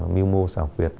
miêu mô xảo việt